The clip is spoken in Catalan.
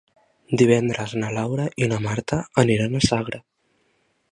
Divendres na Laura i na Marta aniran a Sagra.